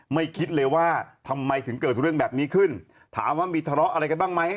คิดเลยว่าทำไมถึงเกิดเรื่องแบบนี้ขึ้นถามว่ามีทะเลาะอะไรกันบ้างไหม